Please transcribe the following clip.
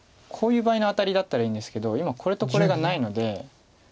こういう場合のアタリだったらいいんですけど今これとこれがないので。